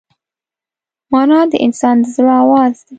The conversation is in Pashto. مانا د انسان د زړه آواز دی.